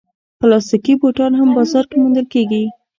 پلاستيکي بوټان هم بازار کې موندل کېږي.